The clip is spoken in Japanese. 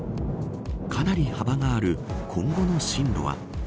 かなり幅がある今後の進路は。